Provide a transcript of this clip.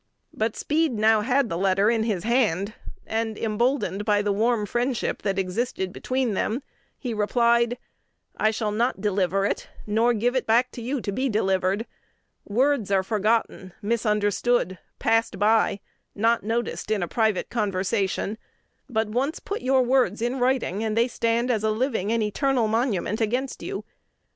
But Speed now had the letter in his hand; and, emboldened by the warm friendship that existed between them, replied, "I shall not deliver it, nor give it to you to be delivered. Words are forgotten, misunderstood, passed by, not noticed in a private conversation; but once put your words in writing, and they stand as a living and eternal monument against you.